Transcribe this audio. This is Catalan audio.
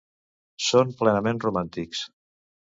Són plenament romàntics.